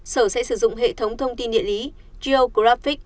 sở sẽ sử dụng hệ thống thông tin địa lý goffic